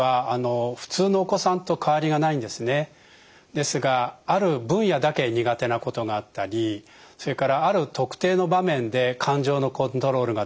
ですがある分野だけ苦手なことがあったりそれからある特定の場面で感情のコントロールができなくなる。